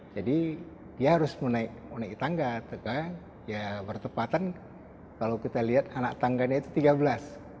jadi dia harus menaiki tangga ya bertepatan kalau kita lihat anak tangganya itu tiga belas